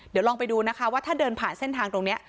เดี๋ยวลองไปดูนะคะว่าถ้าเดินผ่านเส้นทางตรงนี้